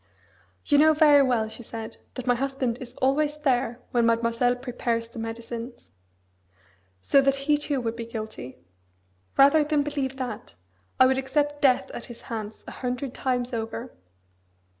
'You know very well,' she said, 'that my husband is always there when Mademoiselle prepares the medicines. So that he too would be guilty. Rather than believe that, I would accept death at his hands a hundred times over!'